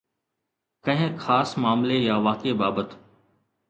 ڪنهن خاص معاملي يا واقعي بابت